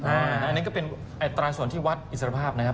อันนี้ก็เป็นอัตราส่วนที่วัดอิสรภาพนะครับ